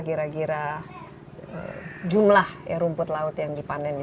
kira kira jumlah rumput laut ini berapa kira kira jumlah rumput laut ini berapa kira kira jumlah rumput